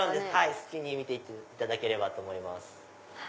好きに見て行っていただければと思います。